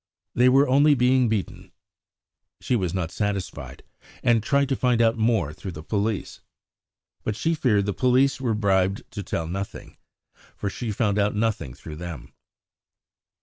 "They were only being beaten." She was not satisfied, and tried to find out more through the police. But she feared the police were bribed to tell nothing, for she found out nothing through them.